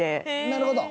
なるほど。